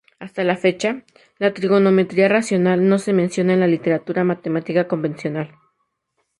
Hasta la fecha, la trigonometría racional no se menciona en la literatura matemática convencional.